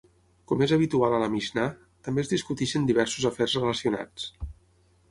Com és habitual a la Mixnà, també es discuteixen diversos afers relacionats.